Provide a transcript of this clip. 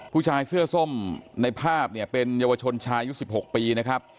ผู้ชายเสื้อส้มในภาพเนี่ยเป็นเยาวชนชายอายุ๑๖ปีนะครับ